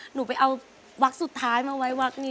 หนูไปเอาวักสุดท้ายมาไว้วักนี้